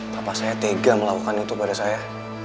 papa saya tega melakukan itu pada saya